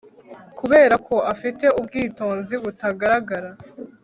Kubera ko afite ubwitonzi butagaragara